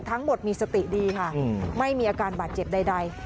ทั้งหมดมีสติดีค่ะไม่มีอาการบาดเจ็บใด